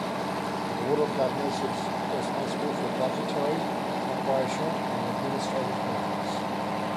The Board of Governors is responsible for budgetary, operational and administrative matters.